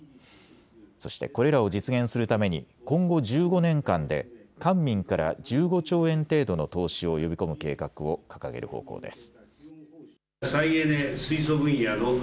そして、これらを実現するために今後１５年間で官民から１５兆円程度の投資を呼び込む計画を掲げる方向です。